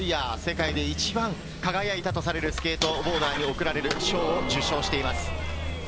世界で一番輝いたとされるスケートボーダーに贈られる賞を受賞しています。